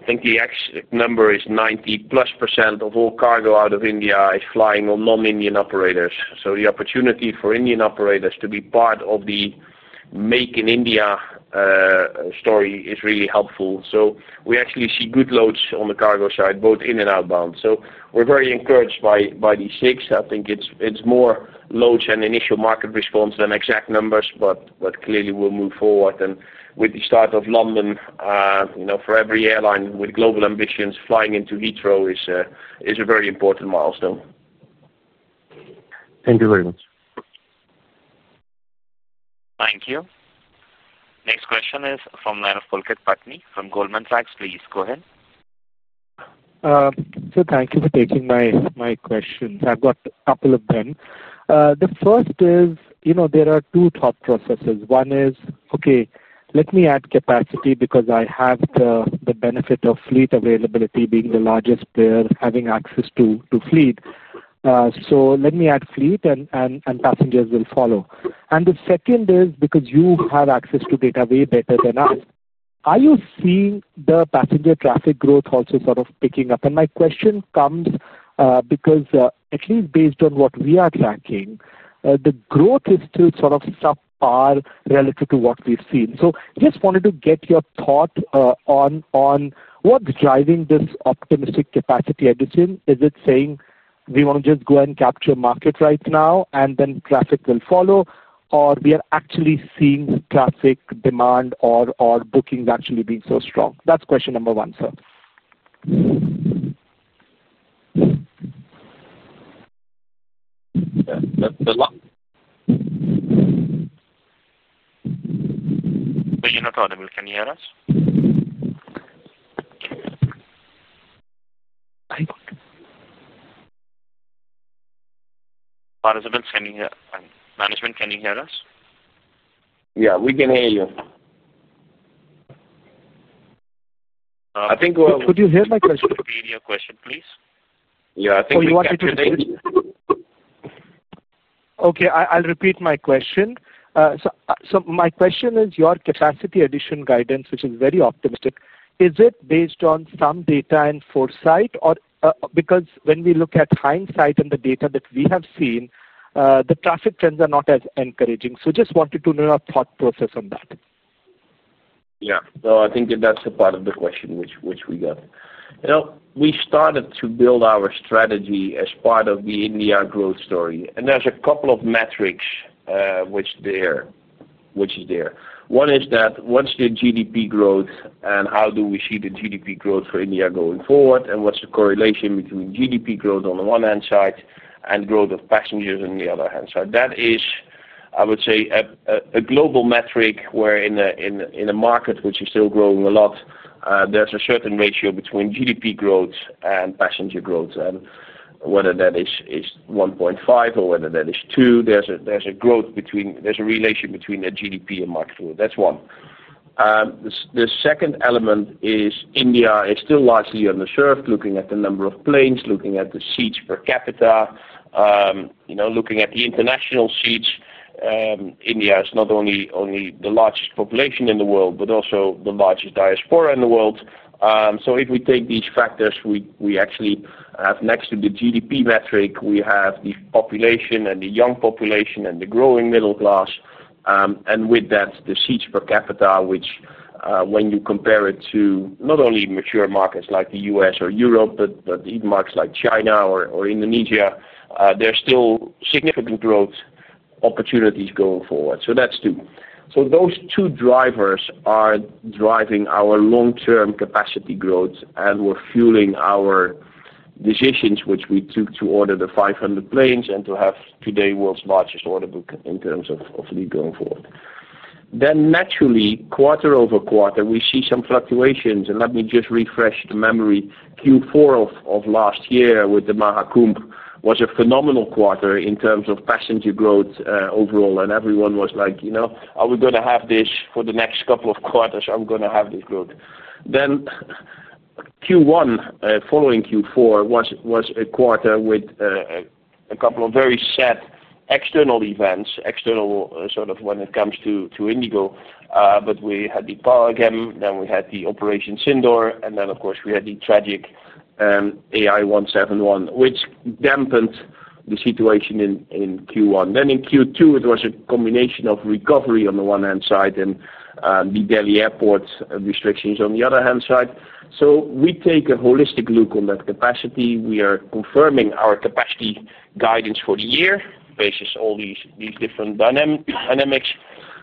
I think the exit number is 90%+ of all cargo out of India is flying on non-Indian operators. The opportunity for Indian operators to be part of the Make in India story is really helpful. We actually see good loads on the cargo side, both in and outbound. We're very encouraged by the six. I think it's more loads and initial market response than exact numbers, but clearly, we'll move forward. With the start of London, for every airline with global ambitions, flying into Heathrow is a very important milestone. Thank you very much. Thank you. Next question is from line of Pulkit Patni from Goldman Sachs. Please go ahead. Thank you for taking my questions. I've got a couple of them. The first is there are two top processes. One is, okay, let me add capacity because I have the benefit of fleet availability being the largest player, having access to fleet. Let me add fleet and passengers will follow. The second is because you have access to data way better than us, are you seeing the passenger traffic growth also sort of picking up? My question comes because, at least based on what we are tracking, the growth is still sort of subpar relative to what we've seen. I just wanted to get your thought on what's driving this optimistic capacity addition. Is it saying we want to just go and capture market right now and then traffic will follow, or we are actually seeing traffic demand or bookings actually being so strong? That's question number one, sir. Yeah. But you're not audible. Can you hear us? I think. Management, can you hear us? Yeah. We can hear you. I think we're. Could you hear my question? Media question, please. Yeah. I think we can hear you. Oh, you want me to repeat? Okay. I'll repeat my question. My question is your capacity addition guidance, which is very optimistic. Is it based on some data and foresight? Because when we look at hindsight and the data that we have seen, the traffic trends are not as encouraging. I just wanted to know your thought process on that. Yeah. So I think that's a part of the question which we got. We started to build our strategy as part of the India growth story. And there's a couple of metrics which is there. One is that what's the GDP growth and how do we see the GDP growth for India going forward, and what's the correlation between GDP growth on the one-hand side and growth of passengers on the other-hand side? That is, I would say, a global metric where in a market which is still growing a lot, there's a certain ratio between GDP growth and passenger growth. And whether that is 1.5 or whether that is 2, there's a growth between, there's a relation between the GDP and market growth. That's one. The second element is India is still largely underserved, looking at the number of planes, looking at the seats per capita. Looking at the international seats, India is not only the largest population in the world, but also the largest diaspora in the world. So if we take these factors, we actually have next to the GDP metric, we have the population and the young population and the growing middle class. And with that, the seats per capita, which when you compare it to not only mature markets like the U.S. or Europe, but even markets like China or Indonesia, there's still significant growth opportunities going forward. So that's two. So those two drivers are driving our long-term capacity growth and were fueling our decisions which we took to order the 500 planes and to have today world's largest order book in terms of fleet going forward. Naturally, quarter-over-quarter, we see some fluctuations. Let me just refresh the memory. Q4 of last year with the MahaKoomp was a phenomenal quarter in terms of passenger growth overall. Everyone was like, "Are we going to have this for the next couple of quarters? Are we going to have this growth?" Q1 following Q4 was a quarter with a couple of very sad external events, external sort of when it comes to InterGlobe. We had the PowerGem, then we had the Operation Sindor, and then, of course, we had the tragic AI-171, which dampened the situation in Q1. In Q2, it was a combination of recovery on the one-hand side and the Delhi Airport restrictions on the other-hand side. We take a holistic look on that capacity. We are confirming our capacity guidance for the year based on all these different dynamics.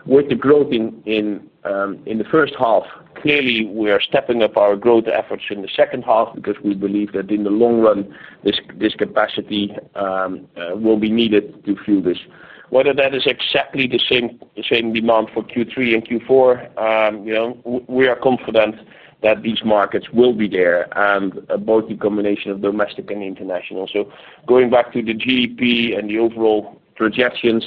With the growth in the first half, clearly, we are stepping up our growth efforts in the second half because we believe that in the long run, this capacity will be needed to fuel this. Whether that is exactly the same demand for Q3 and Q4, we are confident that these markets will be there and both the combination of domestic and international. Going back to the GDP and the overall projections,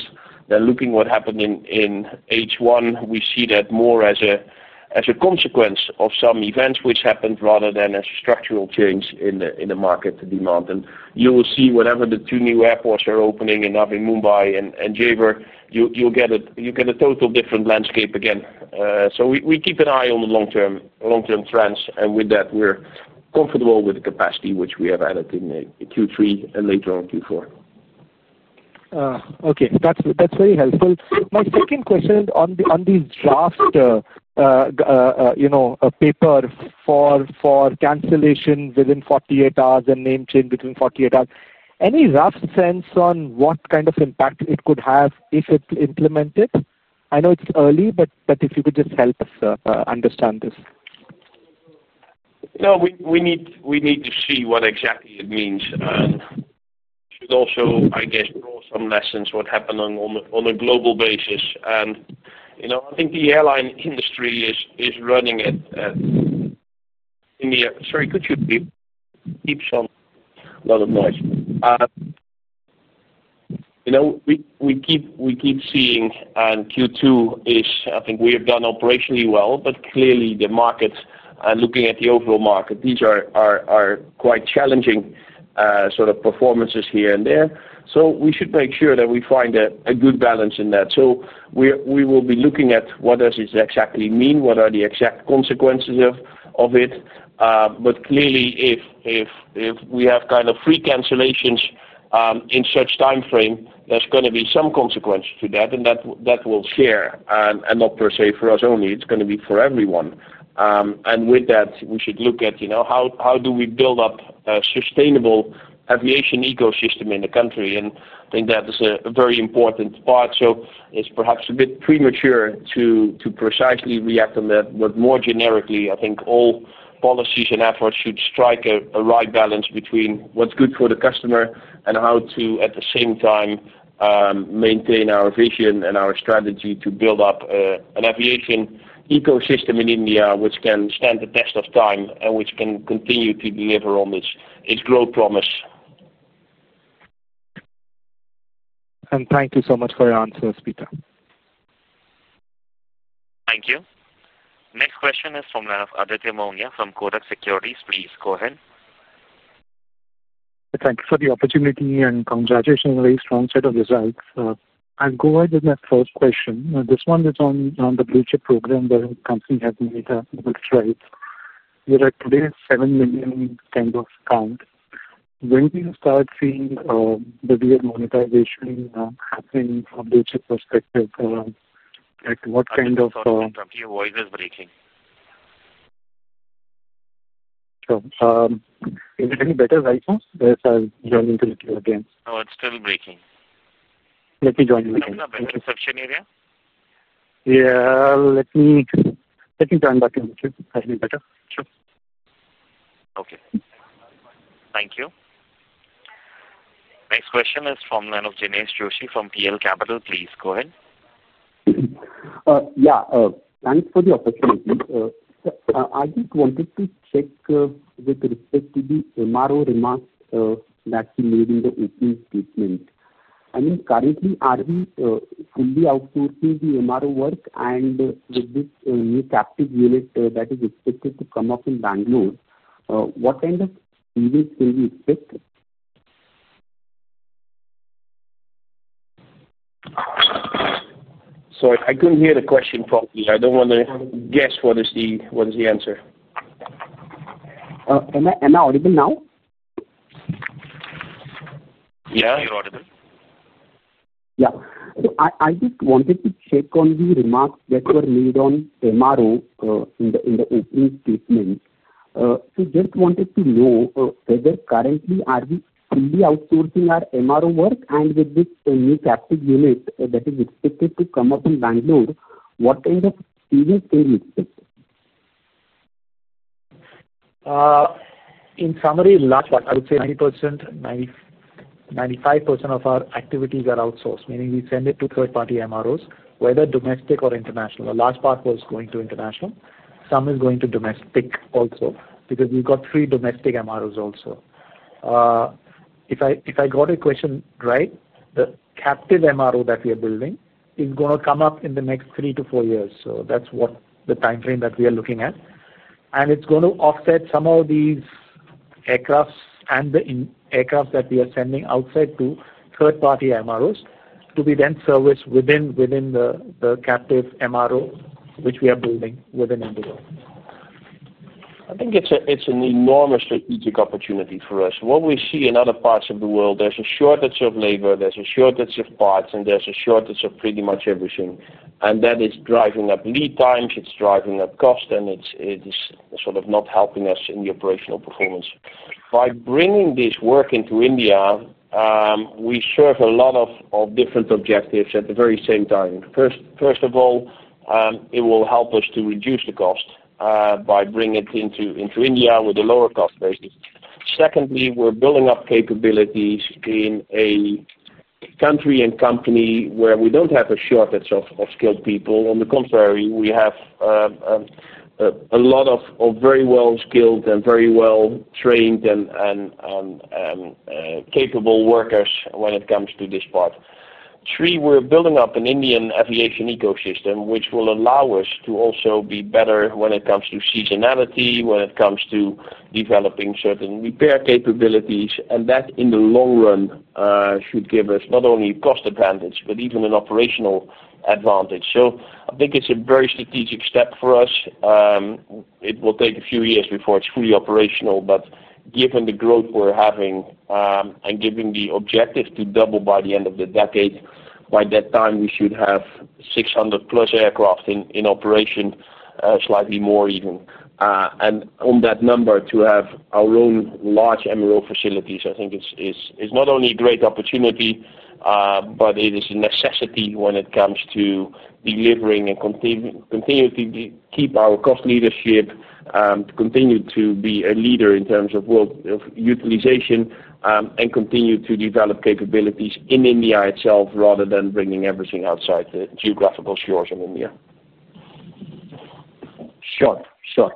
then looking at what happened in H1, we see that more as a consequence of some events which happened rather than as a structural change in the market demand. You will see whatever the two new airports are opening in Navi Mumbai and Jewar, you'll get a total different landscape again. We keep an eye on the long-term trends. With that, we're comfortable with the capacity which we have added in Q3 and later on Q4. Okay. That's very helpful. My second question on this draft paper for cancellation within 48 hours and name change within 48 hours. Any rough sense on what kind of impact it could have if it's implemented? I know it's early, but if you could just help us understand this. No, we need to see what exactly it means. And we should also, I guess, draw some lessons on what happened on a global basis. I think the airline industry is running it. Sorry, could you keep. A lot of noise. We keep seeing Q2 is, I think, we have done operationally well, but clearly, the market and looking at the overall market, these are quite challenging sort of performances here and there. We should make sure that we find a good balance in that. We will be looking at what does this exactly mean, what are the exact consequences of it. Clearly, if we have kind of free cancellations in such timeframe, there's going to be some consequence to that. That will share and not per se for us only. It's going to be for everyone. With that, we should look at how do we build up a sustainable aviation ecosystem in the country. I think that is a very important part. It's perhaps a bit premature to precisely react on that, but more generically, I think all policies and efforts should strike a right balance between what's good for the customer and how to, at the same time, maintain our vision and our strategy to build up an aviation ecosystem in India which can stand the test of time and which can continue to deliver on its growth promise. Thank you so much for your answers, Pieter. Thank you. Next question is from line of Aditya Mongia from Kotak Securities. Please go ahead. Thank you for the opportunity and congratulations on a very strong set of results. I'll go ahead with my first question. This one is on the Blue Chip program where the company has made multiple strides. You're at today's 7 million kind of count. When do you start seeing the real monetization happening from a Blue Chip perspective? What kind of. Your voice is breaking. Sure. Is it any better right now? I'm joining to listen again. No, it's still breaking. Let me join you again. You're not in the reception area? Yeah. Let me join back in a bit. That'll be better. Sure. Okay. Thank you. Next question is from line of Jinesh Joshi from PL Capital. Please go ahead. Yeah. Thanks for the opportunity. I just wanted to check with respect to the MRO remarks that he made in the opening statement. I mean, currently, are we fully outsourcing the MRO work? I mean, with this new captive unit that is expected to come up in Bengaluru, what kind of savings can we expect? Sorry, I could not hear the question properly. I do not want to guess what is the answer. Am I audible now? Yeah. Are you audible? Yeah. I just wanted to check on the remarks that were made on MRO in the opening statement. I just wanted to know whether currently are we fully outsourcing our MRO work? With this new captive unit that is expected to come up in Bengaluru, what kind of savings can we expect? In summary, large part, I would say 90%-95% of our activities are outsourced, meaning we send it to third-party MROs, whether domestic or international. A large part was going to international. Some is going to domestic also because we've got three domestic MROs also. If I got your question right, the captive MRO that we are building is going to come up in the next three to four years. That is what the timeframe that we are looking at. It is going to offset some of these. Aircraft and the aircraft that we are sending outside to third-party MROs to be then serviced within the captive MRO which we are building within InterGlobe. I think it's an enormous strategic opportunity for us. What we see in other parts of the world, there's a shortage of labor, there's a shortage of parts, and there's a shortage of pretty much everything. That is driving up lead times, it's driving up cost, and it is sort of not helping us in the operational performance. By bringing this work into India, we serve a lot of different objectives at the very same time. First of all, it will help us to reduce the cost by bringing it into India with a lower cost basis. Secondly, we're building up capabilities in a country and company where we don't have a shortage of skilled people. On the contrary, we have a lot of very well-skilled and very well-trained and capable workers when it comes to this part. Three, we're building up an Indian aviation ecosystem which will allow us to also be better when it comes to seasonality, when it comes to developing certain repair capabilities. That, in the long run, should give us not only cost advantage but even an operational advantage. I think it's a very strategic step for us. It will take a few years before it's fully operational. Given the growth we're having and given the objective to double by the end of the decade, by that time, we should have 600+ aircraft in operation, slightly more even. On that number, to have our own large MRO facilities, I think, is not only a great opportunity, but it is a necessity when it comes to delivering and continuing to keep our cost leadership, to continue to be a leader in terms of utilization, and continue to develop capabilities in India itself rather than bringing everything outside the geographical shores of India. Sure.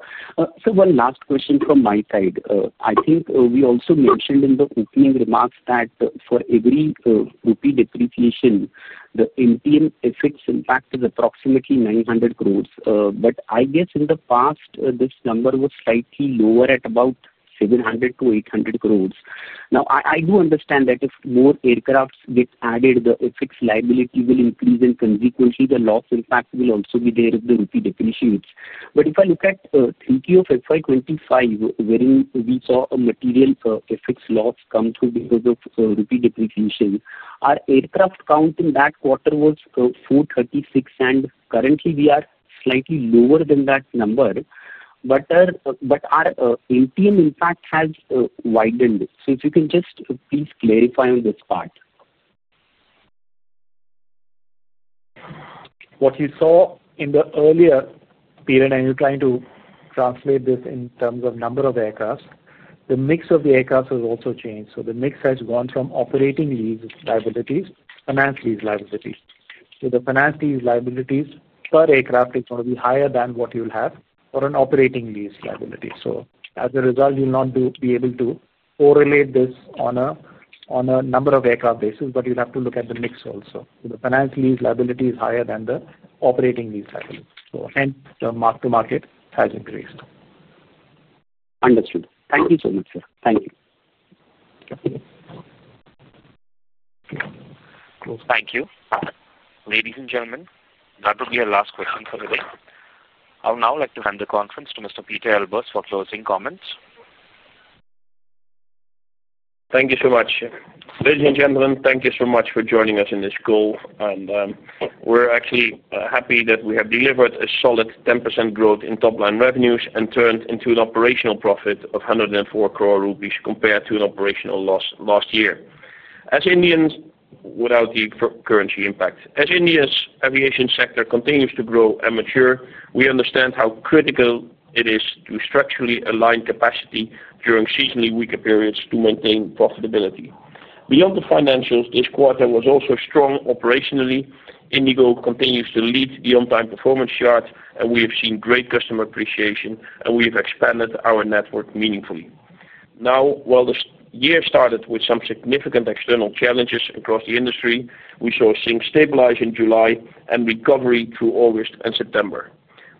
Sure. One last question from my side. I think we also mentioned in the opening remarks that for every rupee depreciation, the MTM FX impact is approximately 9 billion. I guess in the past, this number was slightly lower at about 7 billion-8 billion. I do understand that if more aircraft get added, the FX liability will increase, and consequently, the loss impact will also be there if the rupee depreciates. If I look at TTF FY 2025, wherein we saw a material FX loss come through because of rupee depreciation, our aircraft count in that quarter was 436, and currently, we are slightly lower than that number. Our MTM impact has widened. If you can just please clarify on this part. What you saw in the earlier period, and you're trying to translate this in terms of number of aircraft, the mix of the aircraft has also changed. The mix has gone from operating lease liabilities to finance lease liabilities. The finance lease liabilities per aircraft is going to be higher than what you'll have for an operating lease liability. As a result, you'll not be able to correlate this on a number of aircraft basis, but you'll have to look at the mix also. The finance lease liability is higher than the operating lease liability. The mark-to-market has increased. Understood. Thank you so much, sir. Thank you. Thank you. Ladies and gentlemen, that would be our last question for today. I would now like to hand the conference to Mr. Pieter Elbers for closing comments. Thank you so much. Ladies and gentlemen, thank you so much for joining us in this call. We are actually happy that we have delivered a solid 10% growth in top-line revenues and turned into an operational profit of 104 crore rupees compared to an operational loss last year, as Indians without the currency impact. As India's aviation sector continues to grow and mature, we understand how critical it is to structurally align capacity during seasonally weaker periods to maintain profitability. Beyond the financials, this quarter was also strong operationally. InterGlobe continues to lead the on-time performance chart, and we have seen great customer appreciation, and we have expanded our network meaningfully. Now, while this year started with some significant external challenges across the industry, we saw a single stabilize in July and recovery through August and September.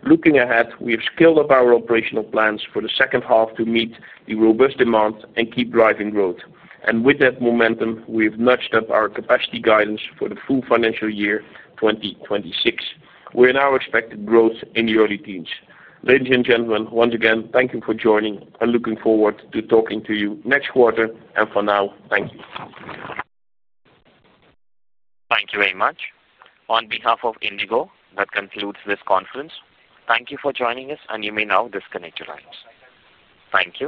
Looking ahead, we have scaled up our operational plans for the second half to meet the robust demand and keep driving growth. With that momentum, we have nudged up our capacity guidance for the full financial year 2026. We are now expecting growth in the early teens. Ladies and gentlemen, once again, thank you for joining. I am looking forward to talking to you next quarter. For now, thank you. Thank you very much. On behalf of InterGlobe, that concludes this conference. Thank you for joining us, and you may now disconnect your lines. Thank you.